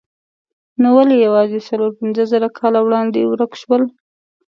نو ولې یوازې څلور پنځه زره کاله وړاندې ورک شول؟